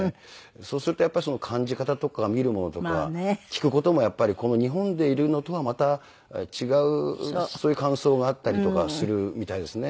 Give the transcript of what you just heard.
そうするとやっぱり感じ方とか見るものとか聞く事もやっぱり日本でいるのとはまた違うそういう感想があったりとかするみたいですね。